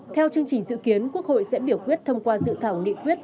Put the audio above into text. theo chương trình dự kiến quốc hội sẽ biểu quyết thông qua dự thảo nghị quyết